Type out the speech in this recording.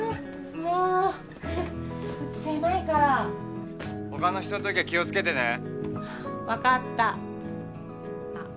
もううち狭いから他の人のときは気をつけてね分かったあっ